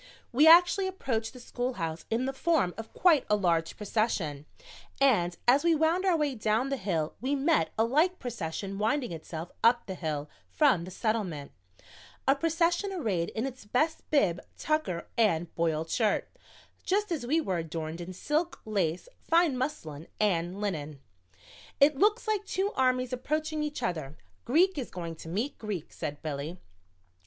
We actually approached the schoolhouse in the form of quite a large procession, and as we wound our way down the hill we met a like procession winding itself up the hill from the Settlement, a procession arrayed in its best bib, tucker and boiled shirt, just as we were adorned in silk, lace, fine muslin and linen. "It looks like two armies approaching each other Greek is going to meet Greek," said Billy.